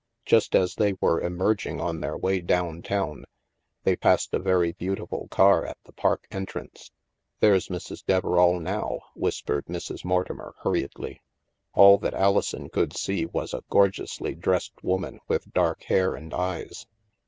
Just as they were emerging on their way down town, they passed a very beautiful car at the Park entrance. " There's Mrs. Deverall now," whispered Mrs. Mortimer hurriedly^ All that Alison could see was a gorgeously dressed woman with dark hair and eyes.